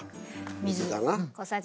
水だな。